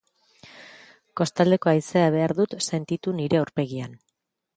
Kostaldeko haizea behar dut sentitu nire aurpegian,